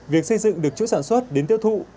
tương tự được chuỗi sản xuất đến tiêu thụ